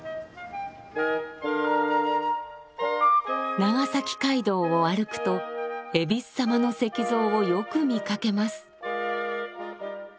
長崎街道を歩くとえびす様の石像をよく見かけます。